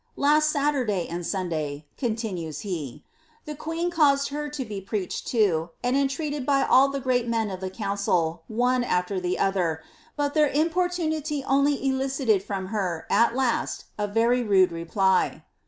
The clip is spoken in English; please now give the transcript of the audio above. Last Saturday and Sunday,'' continues he, •• the queen caused her to be preached to, and entreated by all the great men of the council, one afler the other, but their importunity only eli cited from her, at last, a very rude reply."